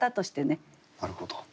なるほど。